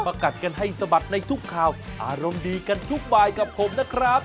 กัดกันให้สะบัดในทุกข่าวอารมณ์ดีกันทุกบายกับผมนะครับ